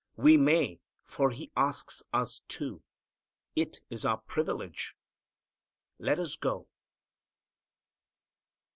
We may, for He asks us to. It is our privilege. Let us go.